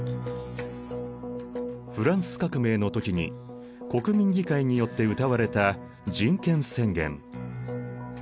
フランス革命の時に国民議会によってうたわれた人権宣言。